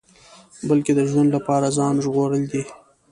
بلکې د ژوند لپاره ځان ژغورل دي.